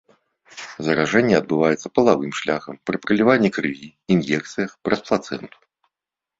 Заражэнне адбываецца палавым шляхам, пры пераліванні крыві, ін'екцыях, праз плацэнту.